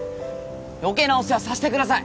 余計なお世話さしてください